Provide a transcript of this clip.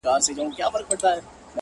شېرينې څه وکړمه زړه چي په زړه بد لگيږي!!